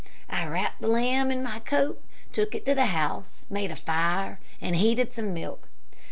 I wrapped the lamb in my coat, took it to the house, made a fire, and heated some milk.